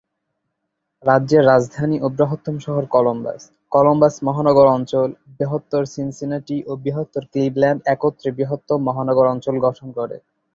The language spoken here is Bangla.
রাজ্যের রাজধানী ও বৃহত্তম শহর কলম্বাস; কলম্বাস মহানগর অঞ্চল, বৃহত্তর সিনসিনাটি ও বৃহত্তর ক্লিভল্যান্ড একত্রে বৃহত্তম মহানগর অঞ্চল গঠন করে।